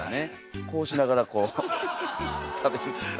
こうしながらこう食べるとか。